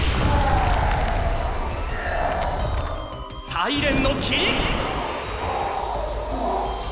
サイレンの霧！